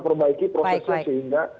perbaiki prosesnya sehingga